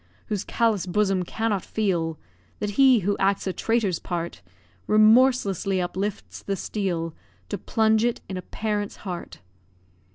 Whose callous bosom cannot feel That he who acts a traitor's part, Remorselessly uplifts the steel To plunge it in a parent's heart.